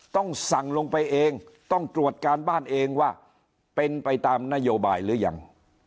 ต้องสั่งลงไปเองต้องตรวจการบ้านเองว่าเป็นไปตามนโยบายหรือยัง